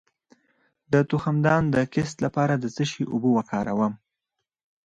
د تخمدان د کیست لپاره د څه شي اوبه وکاروم؟